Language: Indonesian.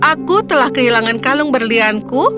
aku telah kehilangan kalung berlianku